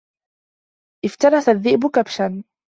اِفْتَرَسَ الذِّئْبُ كَبْشًا.